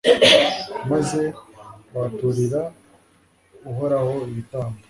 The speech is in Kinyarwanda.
maze bahaturira uhoraho ibitambo